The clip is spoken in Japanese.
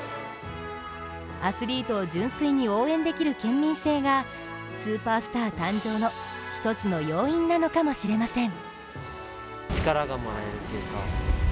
アスリートを純粋に応援できる県民性がスーパースター誕生の１つの要因なのかもしれません。